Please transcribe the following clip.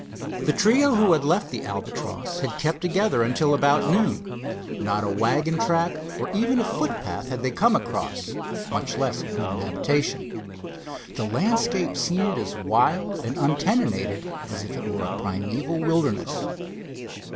The trio who had left the Albatross had kept together until about noon. Not a wagon track or even a footpath had they come across, much less a human habitation. The landscape seemed as wild and untenanted as if it were a primeval wilderness.